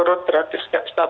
turut berat diskep stabil